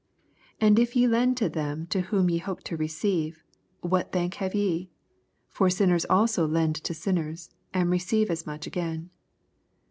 34 And if ye lend t>^ them of whom ye hope to receive, what thank have ye ? for sinners also lend to sinners, to receive as much again.